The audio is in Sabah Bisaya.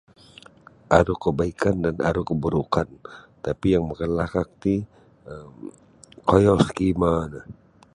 Aru kebaikan dan aru keburukan tapi yang makalalakak ti um koyo scammer no.